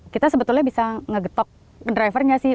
kita sebetulnya bisa ngegetok drivernya sih